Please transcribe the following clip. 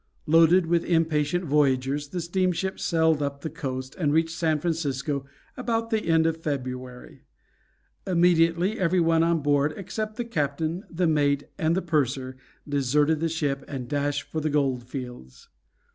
Loaded with impatient voyagers, the steamship sailed up the coast, and reached San Francisco about the end of February. Immediately every one on board, except the captain, the mate, and the purser, deserted the ship, and dashed for the gold fields.